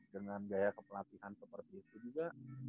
dengan gaya kepelatihan seperti itu juga